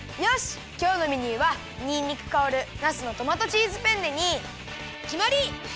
きょうのメニューはにんにくかおるなすのトマトチーズペンネにきまり！